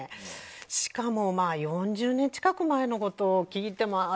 しかも４０年近く前のことを聞いてもああ、